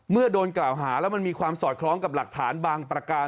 โดนกล่าวหาแล้วมันมีความสอดคล้องกับหลักฐานบางประการ